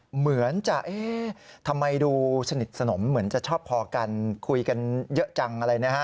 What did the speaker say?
เหมือนจะเอ๊ะทำไมดูสนิทสนมเหมือนจะชอบพอกันคุยกันเยอะจังอะไรนะฮะ